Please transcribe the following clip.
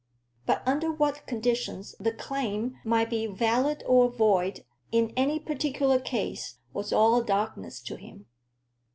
But under what conditions the claim might be valid or void in any particular case, was all darkness to him.